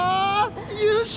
優勝